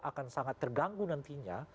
akan sangat terganggu nantinya